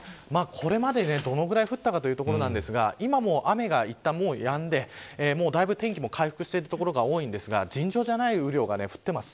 これまででどれほど降ったかというところですが雨は一度やんで天気も回復してる所が多いのですが尋常じゃない雨量が降っています。